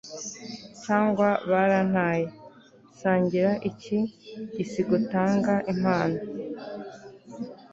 cyangwa barantaye.sangira iki gisigotanga impano